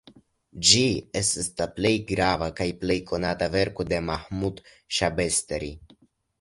Ĝi estas la plej grava kaj plej konata verko de Mahmud Ŝabestari.